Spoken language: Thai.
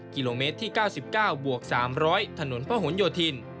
กิโลเมตรที่๙๙บวก๓๐๐ถนนพระหลโยธิน